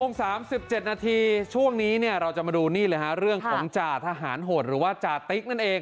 โมง๓๗นาทีช่วงนี้เนี่ยเราจะมาดูนี่เลยฮะเรื่องของจ่าทหารโหดหรือว่าจาติ๊กนั่นเอง